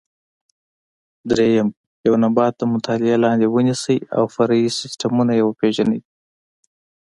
درېیم: یو نبات د مطالعې لاندې ونیسئ او فرعي سیسټمونه یې وپېژنئ.